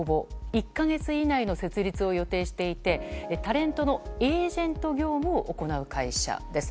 １か月以内の設立を予定していてタレントのエージェント業務を行う会社です。